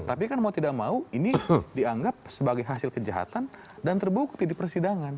tapi kan mau tidak mau ini dianggap sebagai hasil kejahatan dan terbukti di persidangan